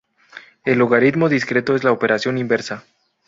El logaritmo discreto es la operación inversa.